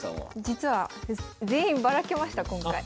実は全員ばらけました今回。